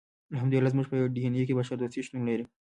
له همدې امله زموږ په ډي اېن اې کې بشر دوستي شتون لري.